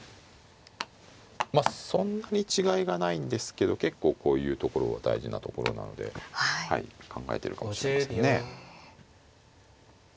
まあそんなに違いがないんですけど結構こういうところは大事なところなので考えてるかもしれませんね。